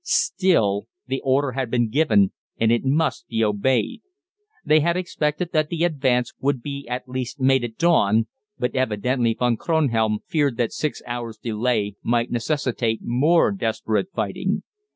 Still, the order had been given, and it must be obeyed. They had expected that the advance would be at least made at dawn, but evidently Von Kronhelm feared that six hours' delay might necessitate more desperate fighting.